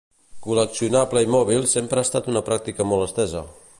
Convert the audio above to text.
Coleccionar Playmobils sempre ha estat una pràctica molt estesa.